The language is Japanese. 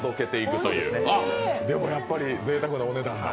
やっぱりぜいたくなお値段